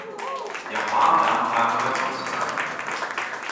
Der Fahrplan war kreuzungsfrei.